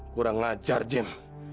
kurang ngajar jim